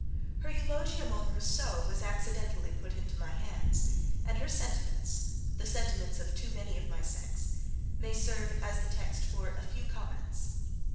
Her eulogium on Rousseau was accidentally put into my hands, and her sentiments, the sentiments of too many of my sex, may serve as the text for a few comments.